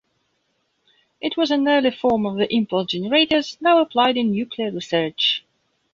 It was an early form of the impulse generators now applied in nuclear research.